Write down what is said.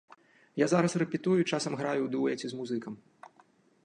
Я зараз рэпетую і часам граю ў дуэце з музыкам.